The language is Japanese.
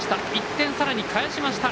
１点、さらに返しました。